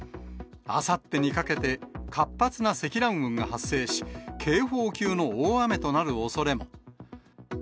あさってにかけて、活発な積乱雲が発生し、警報級の大雨となるおそれも。